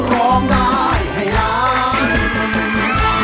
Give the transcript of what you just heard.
ร้องได้ครับ